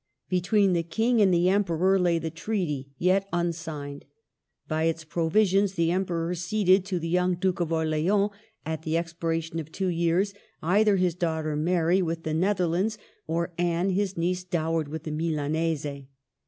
Between the King and the Emperor lay the treaty, yet un signed. By its provisions the Emperor ceded to the young Duke of Orleans, at the expira tion of two years, either his daughter Mary with the Netherlands, or Anne, his niece, dowered with the Milanese.